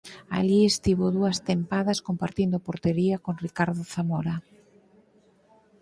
Alí estivo dúas tempadas compartindo portería con Ricardo Zamora.